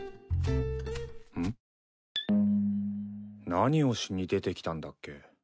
何をしに出てきたんだっけ？